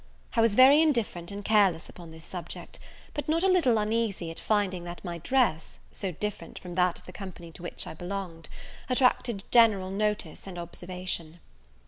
I was very indifferent and careless upon this subject; but not a little uneasy at finding that my dress, so different from that of the company to which I belonged, attracted general notice and observation.